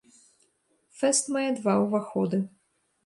Фэст мае два ўваходы.